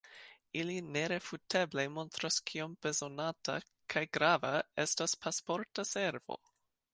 Ili nerefuteble montras kiom bezonata kaj grava estas Pasporta Servo.